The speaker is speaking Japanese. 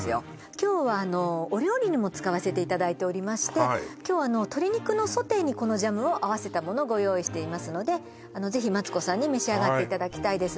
今日はあのお料理にも使わせていただいておりまして今日あのものをご用意していますのであのぜひマツコさんに召し上がっていただきたいです